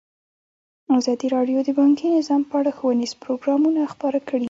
ازادي راډیو د بانکي نظام په اړه ښوونیز پروګرامونه خپاره کړي.